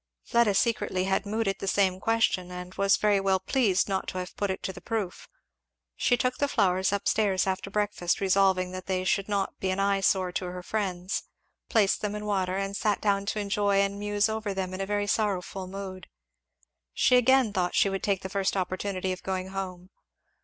Fleda secretly had mooted the same question and was very well pleased not to have it put to the proof. She took the flowers up stairs after breakfast, resolving that they should not be an eye sore to her friends; placed them in water and sat down to enjoy and muse over them in a very sorrowful mood. She again thought she would take the first opportunity of going home.